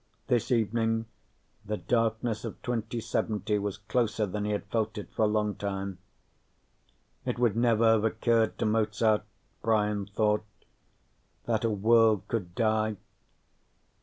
This evening, the darkness of 2070 was closer than he had felt it for a long time. It would never have occurred to Mozart, Brian thought, that a world could die.